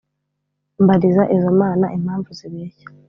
mbariza izo mana impamvu zibeshya"